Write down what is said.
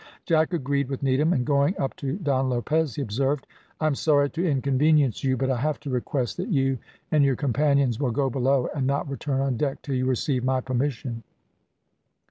Jack agreed with Needham, and going up to Don Lopez he observed "I am sorry to inconvenience you, but I have to request that you and your companions will go below, and not return on deck till you receive my permission."